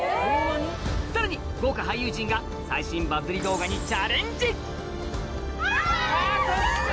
さらに豪華俳優陣が最新バズり動画にチャレンジあ！